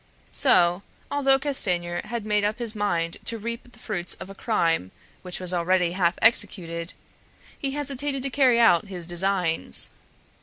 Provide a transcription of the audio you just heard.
So, although Castanier had made up his mind to reap the fruits of a crime which was already half executed, he hesitated to carry out his designs.